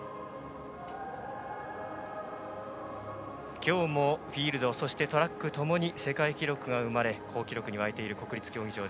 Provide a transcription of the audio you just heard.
今日もフィールドそしてトラックともに世界記録が生まれ好記録に沸いている国立競技場。